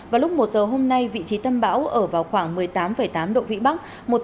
vào lúc một giờ hôm nay vị trí tâm bão ở vào khoảng một mươi tám tám độ vĩ bắc